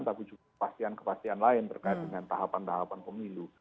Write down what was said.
tapi juga kepastian kepastian lain terkait dengan tahapan tahapan pemilu